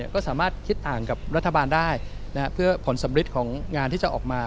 ก็สามารถคิดต่างกับรัฐบาลได้เพื่อผลสำริดของงานที่จะออกมา